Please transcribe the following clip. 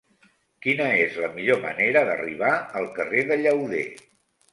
Quina és la millor manera d'arribar al carrer de Llauder?